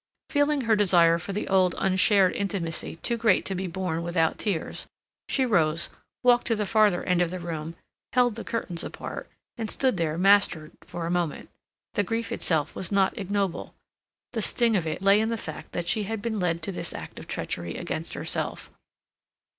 Feeling her desire for the old unshared intimacy too great to be borne without tears, she rose, walked to the farther end of the room, held the curtains apart, and stood there mastered for a moment. The grief itself was not ignoble; the sting of it lay in the fact that she had been led to this act of treachery against herself.